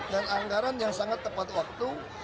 dan anggaran yang sangat tepat waktu